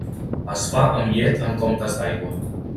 Es fa amb llet en comptes d'aigua.